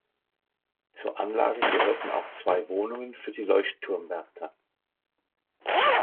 Zur Anlage gehörten auch zwei Wohnungen für die Leuchtturmwärter.